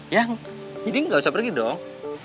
ya sindi gak usah pergi dong